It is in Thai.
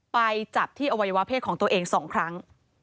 ไปจับที่อวัยวะเพศของตัวเอง๒ครั้ง